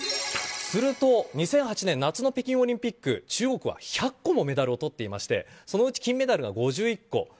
すると２００８年夏の北京オリンピック中国は１００個もメダルをとっていましてそのうち金メダルが５１個。